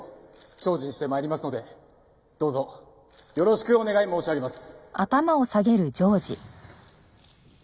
精進して参りますのでどうぞよろしくお願い申し上げます。